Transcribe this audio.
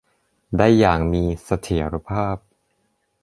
ได้อย่างมีเสถียรภาพ